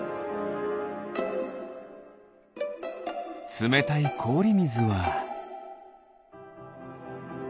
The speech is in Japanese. つめたいこおりみずは。